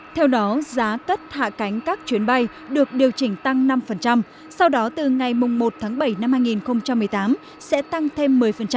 theo đó giá cất hạ cánh các chuyến bay được điều chỉnh tăng năm sau đó từ ngày một tháng bảy năm hai nghìn một mươi tám sẽ tăng thêm một mươi